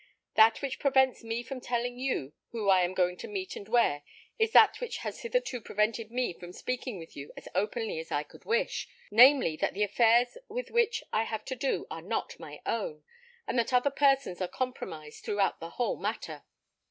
That which prevents me from telling you whom I am going to meet and where, is that which has hitherto prevented me from speaking with you as openly as I could wish: namely, that the affairs with which I have to do are not my own, and that other persons are compromised throughout the whole matter.